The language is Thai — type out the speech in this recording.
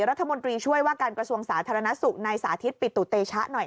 รัฐมนตรีช่วยว่าการกระทรวงสาธารณสุขในสาธิตปิตุเตชะหน่อย